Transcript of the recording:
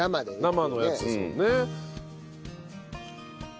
生のやつですもんね。